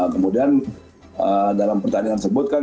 kemudian dalam pertandingan sebut kan